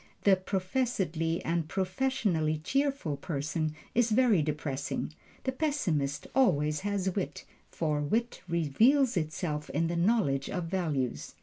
The professedly and professionally cheerful person is very depressing. The pessimist always has wit, for wit reveals itself in the knowledge of values.